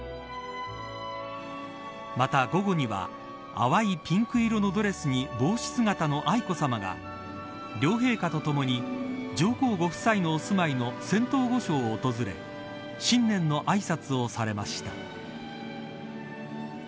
また、午後には淡いピンク色のドレスに帽子姿の愛子さまが両陛下と共に上皇ご夫妻のお住まいの仙洞御所を訪れ新年のあいさつをされました。